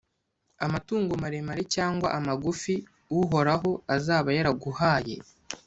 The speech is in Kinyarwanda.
amatungo maremare cyangwa amagufi uhoraho azaba yaraguhaye,